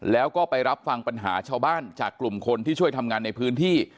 แล้วก็ไปรับฟังปัญหาชาวบ้านจากกลุ่มคนที่ช่วยทำงานในพื้นที่